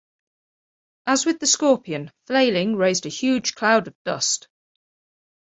As with the Scorpion, flailing raised a huge cloud of dust.